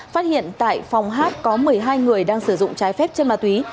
phát hiện tại phòng hát có một mươi hai người đang sử dụng trái phép chất ma túy